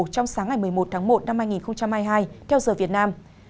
trong sáng ngày một mươi một tháng một năm hai nghìn hai mươi hai theo giờ việt nam